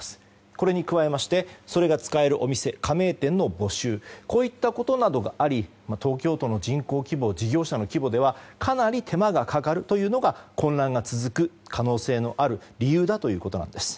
これに加えましてそれが使えるお店加盟店の募集といったことなどがあり東京都の人口規模事業者の規模ではかなり手間がかかって混乱が続く可能性のある理由だということなんです。